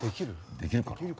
できるかな？